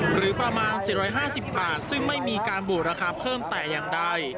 หรือประมาณ๔๕๐บาทซึ่งไม่มีการบูดราคาเพิ่มแต่อย่างใด